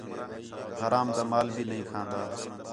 حرام تا مال بھی نہی کھان٘دا